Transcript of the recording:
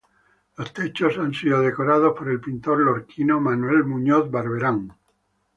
Los techos han sido decorados por el pintor lorquino Manuel Muñoz Barberán.